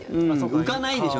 浮かないんでしょ